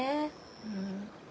うん。